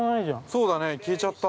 ◆そうだね、消えちゃった。